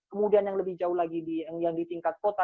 kemudian yang lebih jauh lagi yang di tingkat kota